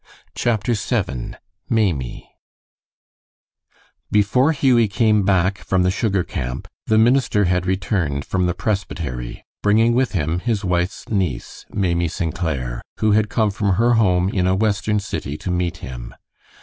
CHAPTER VII MAIMIE Before Hughie came back from the sugar camp, the minister had returned from the presbytery, bringing with him his wife's niece, Maimie St. Clair, who had come from her home in a Western city to meet him.